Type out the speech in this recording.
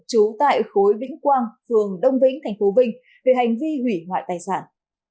chú tại khối vĩnh quang phường đông vĩnh tp vinh về hành vi hủy ngoại tài sản